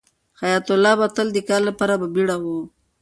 حیات الله به تل د کار لپاره په بیړه و.